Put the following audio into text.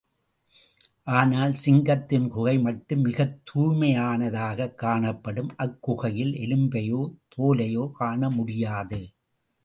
ஆனால் சிங்கத்தின் குகை மட்டும் மிகத் தூய்மையானதாகக் காணப்படும், அக்குகையில் எலும்பையோ தோலையோ காணமுடியாது.